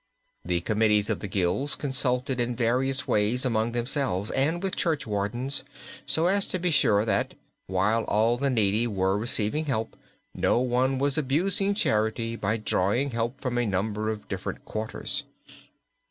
The committees of the gilds consulted in various ways among themselves and with the church wardens so as to be sure that, while all the needy were receiving help, no one was abusing charity by drawing help from a number of different quarters.